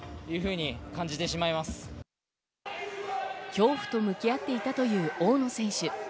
恐怖と向き合っていたという大野選手。